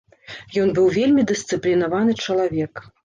Ён быў вельмі дысцыплінаваны чалавек.